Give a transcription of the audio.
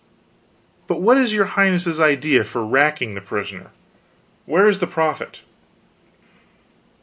But what is your highness's idea for racking the prisoner? Where is the profit?"